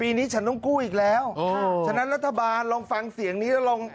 นี้ฉันต้องกู้อีกแล้วอ่าฉะนั้นรัฐบาลลองฟังเสียงนี้แล้วลอง